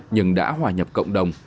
nhưng đã hòa nhập cộng đồng